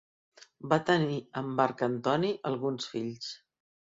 Va tenir amb Marc Antoni alguns fills.